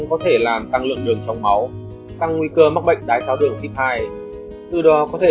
có thể làm tăng lượng đường trong máu tăng nguy cơ mắc bệnh đái tháo đường khi hai từ đó có thể